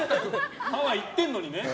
ハワイ行ってんのにね。